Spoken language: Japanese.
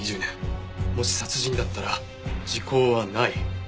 もし殺人だったら時効はない。